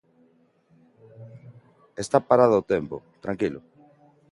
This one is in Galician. Está parado o tempo, tranquilo.